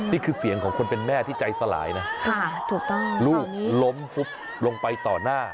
นี่คือเสียงของคนเป็นแม่ที่ใจสลายนะถูกต้องลูกล้มฟุบลงไปต่อหน้า